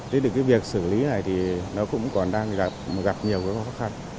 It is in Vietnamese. thế thì cái việc xử lý này thì nó cũng còn đang gặp nhiều khó khăn